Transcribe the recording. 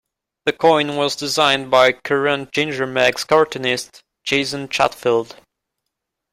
The coin was designed by current Ginger Meggs cartoonist, Jason Chatfield.